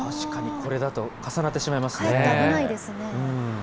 これだと重なってしまいますね。